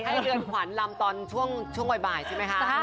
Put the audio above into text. เรือนขวัญลำตอนช่วงบ่ายใช่ไหมคะ